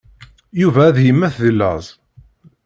Yuba ad yemmet deg llaẓ.